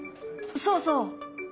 そうそう。